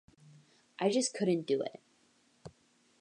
I just couldn't do it.